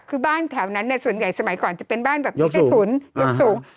คือบ้านแถวนั้นส่วนใหญ่สมัยก่อนจะเป็นบ้านแบบยกสูง